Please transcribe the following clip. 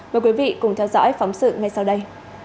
mời quý vị cùng theo dõi phóng sự ngay sau đây